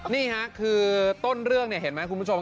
นี่ค่ะคือต้นเรื่องเนี่ยเห็นไหมคุณผู้ชม